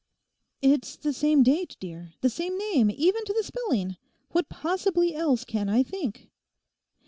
'It's the same date, dear, the same name even to the spelling; what possibly else can I think?